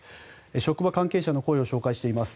職場関係者の声を紹介しています。